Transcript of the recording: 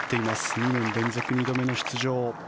２年連続、２度目の出場。